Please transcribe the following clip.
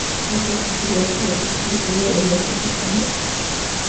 Fue profesor y a su vez ex alumno de la Universidad de Cambridge.